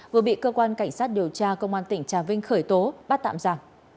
vừa bị cơ quan cảnh sát điều tra công an tỉnh trà vinh khởi tố bắt tạm giả